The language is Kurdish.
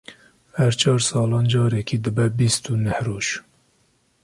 Her çar salan carekê dibe bîst û neh roj.